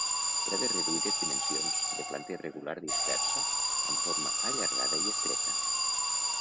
Era de reduïdes dimensions, de planta irregular dispersa amb forma allargada i estreta.